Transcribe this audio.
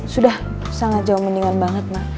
sudah sangat jauh mendingan banget